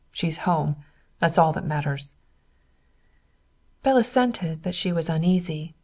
She's home. That's all that matters." Belle assented, but she was uneasy.